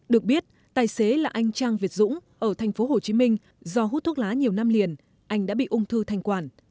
được biết tài xế là anh trang việt dũng ở thành phố hồ chí minh do hút thuốc lá nhiều năm liền anh đã bị ung thư thanh quản